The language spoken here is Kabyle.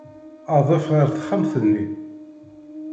Adef ɣer texxamt-nni.